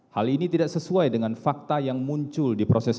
hal ini tidak sesuai dengan fakta yang diperoleh